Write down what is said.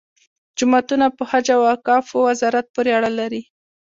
جوماتونه په حج او اوقافو وزارت پورې اړه لري.